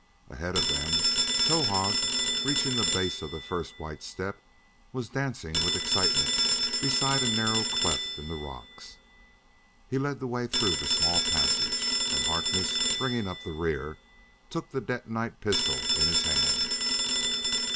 Ahead of them, Towahg, reaching the base of the first white step, was dancing with excitement beside a narrow cleft in the rocks. He led the way through the small passage. And Harkness, bringing up the rear, took the detonite pistol in his hand.